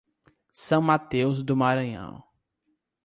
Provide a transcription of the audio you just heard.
São Mateus do Maranhão